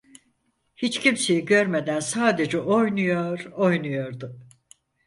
Hiç kimseyi görmeden sadece oynuyor, oynuyordu.